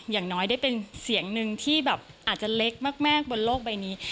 อย่างน้อยได้เป็นเสียงหนึ่งที่แบบอาจจะเล็กมากบนโลกใบนี้